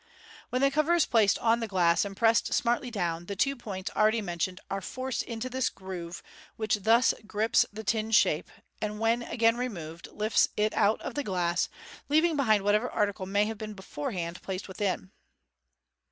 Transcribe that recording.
When the cover is placed on the glass, and pressed smartly down, the two points already mentioned are forced into this groove, which thus grips the tin shape, and when again removed, lifts it out of the glass, leaving behind whatever article may have been beforehand placed within.